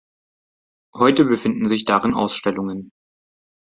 Heute befinden sich darin Ausstellungen.